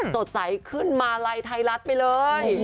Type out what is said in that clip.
สดใสขึ้นมาลัยไทยรัฐไปเลย